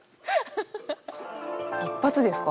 一発ですか？